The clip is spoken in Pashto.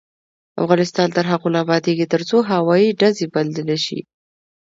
افغانستان تر هغو نه ابادیږي، ترڅو هوایي ډزې بندې نشي.